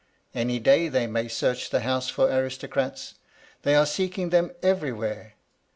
Any day they may search the house for aristocrats. They are seeking them every where.